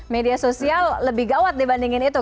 media sosial lebih gawat dibandingin itu